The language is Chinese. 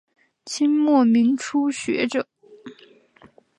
清末民初学者。